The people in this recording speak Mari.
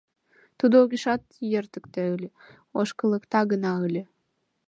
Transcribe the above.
Тудо огешат йортыкто ыле, ошкылыкта гына ыле».